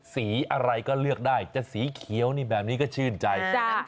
สีอะไรก็เลือกได้จะสีเขียวนี่แบบนี้ก็ชื่นใจ